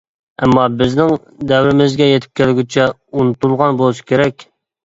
ئەمما بىزنىڭ دەۋرىمىزگە يىتىپ كەلگۈچە ئۇنتۇلغان بولسا كېرەك.